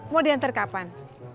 mau diantar kapan